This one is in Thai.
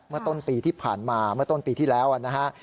เมื่อต้นปีที่ผ่านมาเมื่อต้นปีที่แล้วนะฮะ